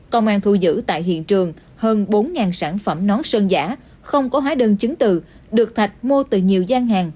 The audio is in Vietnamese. công an thu giữ tại hiện trường hơn bốn sản phẩm nón sơn giả không có hóa đơn chứng từ được thạch mua từ nhiều gian hàng